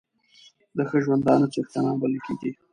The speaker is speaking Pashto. د ښه ژوندانه څښتنان بلل کېږي.